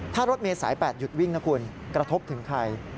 ถ้ารถเมย์สาย๘หยุดวิ่งนะคุณกระทบถึงใคร